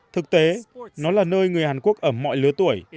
thực tế nó là nơi người hàn quốc ở mọi lứa tuổi